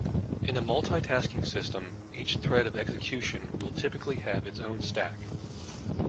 In a multitasking system, each thread of execution will typically have its own stack.